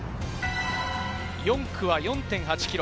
４区は４．８ｋｍ。